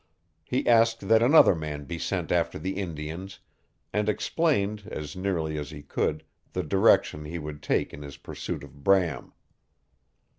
He asked that another man be sent after the Indians, and explained, as nearly as he could, the direction he would take in his pursuit of Bram.